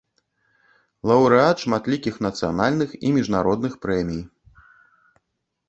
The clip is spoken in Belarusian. Лаўрэат шматлікіх нацыянальных і міжнародных прэмій.